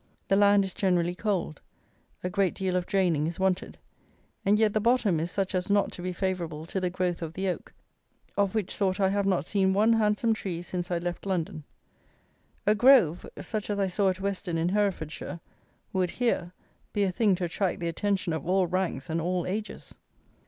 The land is generally cold; a great deal of draining is wanted; and yet the bottom is such as not to be favourable to the growth of the oak, of which sort I have not seen one handsome tree since I left London. A grove, such as I saw at Weston in Herefordshire, would, here, be a thing to attract the attention of all ranks and all ages.